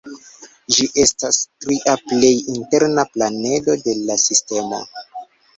Ĝi estas la tria plej interna planedo de la sistemo.